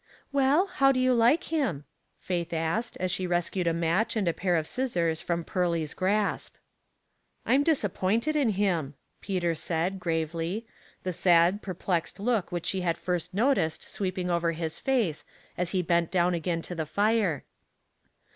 ''Well, how do you like him?" Faith asked, as she rescued a match and a pair of scissor., Crom Pearly 's grasp. " I'm disappointed in him," Peter said, grave 206 Household Puzzles. ly, the sad, perplexed loolc which she had first noticed sweeping over his face as he bent down again to the fire.